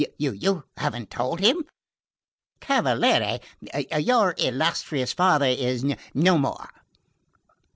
You haven't told him? Cavaliere, your illustrious father is no more."